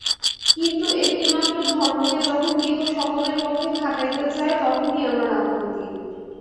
কিন্তু একটি-মাত্র ধর্মকে যখন কেহ সকলের পক্ষে খাটাইতে চায়, তখনই আমার আপত্তি।